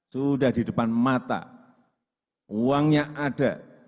sudah di depan mata uangnya ada